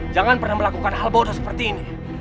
jangan pernah melakukan hal baru seperti ini